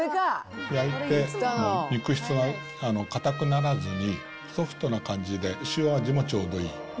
焼いても肉質が硬くならずに、ソフトな感じで、塩味もちょうどよい。